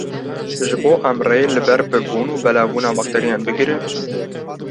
Ji bo em rê li ber pirbûn û belavbûna bakterîyan bigirin.